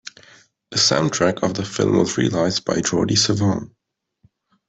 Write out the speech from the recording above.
The soundtrack of the film was realized by Jordi Savall.